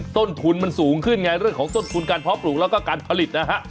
ต้นทุนมันสูงขึ้นไงเรื่องของต้นทุนการเพาะปลูกแล้วก็การผลิตนะฮะ